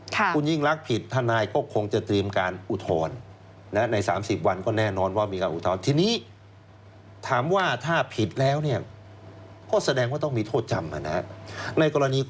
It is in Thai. ค่ะคุณยิ่งรักผิดท่านายก็คงจะตรีมการอุทธรณ์